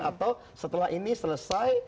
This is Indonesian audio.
atau setelah ini selesai